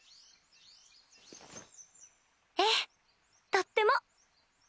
ええとっても。